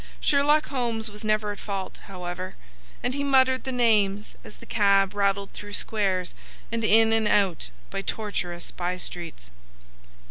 Sherlock Holmes was never at fault, however, and he muttered the names as the cab rattled through squares and in and out by tortuous by streets.